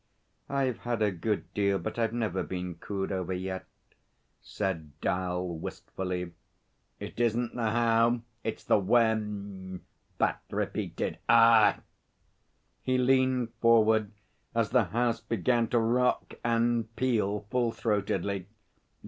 'I've had a good deal, but I've never been cooed over yet,' said 'Dal wistfully. 'It isn't the how, it's the when,' Bat repeated. 'Ah!' He leaned forward as the house began to rock and peal full throatedly.